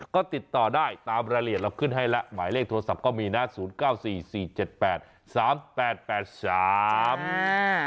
ก็ติดต่อได้ตามรายละเอียดเราขึ้นให้แล้วหมายเลขโทรศัพท์ก็มีนะศูนย์เก้าสี่สี่เจ็ดแปดสามแปดแปดสามอ่า